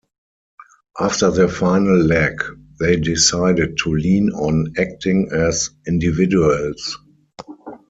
After their final leg, they decided to lean on acting as individuals.